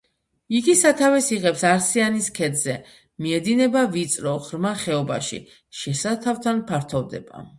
იგი სათავეს იღებს არსიანის ქედზე, მიედინება ვიწრო, ღრმა ხეობაში, შესართავთან ფართოვდება.